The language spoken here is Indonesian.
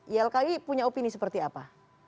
ylki punya opini seperti apa